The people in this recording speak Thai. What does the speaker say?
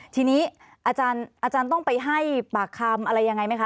ทีนี้อาจารย์ต้องไปให้ปากคำอะไรยังไงไหมคะ